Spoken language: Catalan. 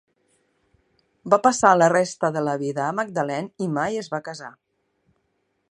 Va passar la resta de la vida a Magdalene i mai es va casar.